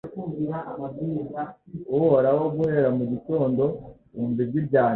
Uhoraho guhera mu gitondo wumva ijwi ryanjye